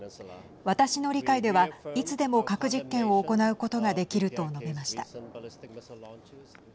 私の理解では、いつでも核実験を行うことができると述べました。